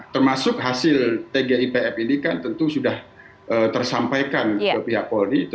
termasuk hasil tgipf ini kan tentu sudah tersampaikan ke pihak polri